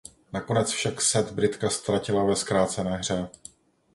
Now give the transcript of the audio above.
Nakonec však set Britka ztratila ve zkrácené hře.